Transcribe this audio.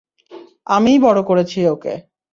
আমিই বড়ো করেছি ওকে।